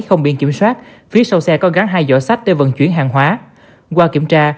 không biển kiểm soát phía sau xe có gắn hai giỏ sách để vận chuyển hàng hóa qua kiểm tra